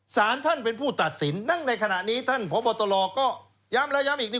สารท่านเป็นผู้ตัดสินนั่งในขณะนี้ท่านพบตรก็ย้ำแล้วย้ำอีก